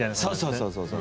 そうそうそう。